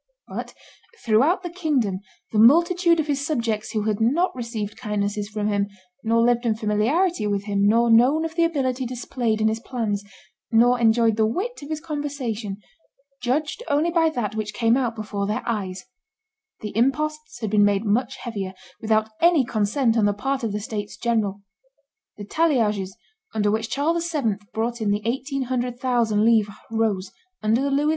... But, throughout the kingdom, the multitude of his subjects who had not received kindnesses from him, nor lived in familiarity with him, nor known of the ability displayed in his plans, nor enjoyed the wit of his conversation, judged only by that which came out before their eyes; the imposts had been made much heavier, without any consent on the part of the states general; the talliages, which under Charles VII. brought in only eighteen hundred thousand livres, rose, under Louis XI.